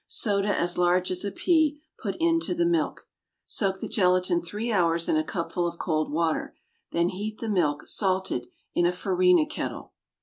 Soda as large as a pea, put into the milk. Soak the gelatine three hours in a cupful of cold water. Then heat the milk (salted) in a farina kettle.